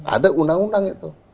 ada undang undang itu